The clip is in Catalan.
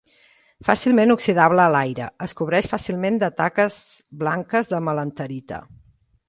Fàcilment oxidable a l’aire, es cobreix fàcilment de taques blanques de melanterita.